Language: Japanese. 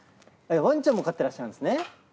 ワンちゃんも飼ってらっしゃるんですね。